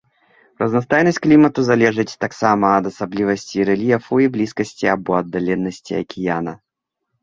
Разнастайнасць клімату залежыць таксама ад асаблівасцей рэльефу і блізкасці або аддаленасці акіяна.